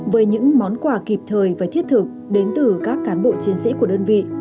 với những món quà kịp thời và thiết thực đến từ các cán bộ chiến sĩ của đơn vị